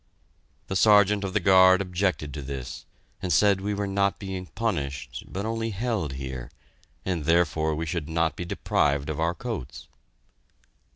The Sergeant of the guard objected to this, and said we were not being punished, but only held here, and therefore we should not be deprived of our coats.